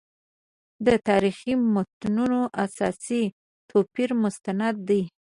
د تاریخي متونو اساسي توپیر مستند دی.